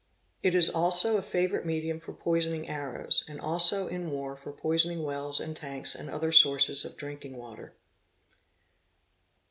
It is also a favourite medium for poisoning arrows, and also in war for poisoning wells and tanks and other sources of drinking water.